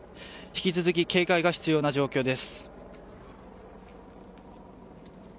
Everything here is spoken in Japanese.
引き続き警戒が必要な状況です。